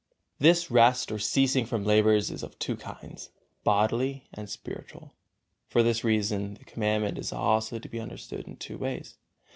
This rest or ceasing from labors is of two kinds, bodily and spiritual. For this reason this Commandment is also to be understood in two ways.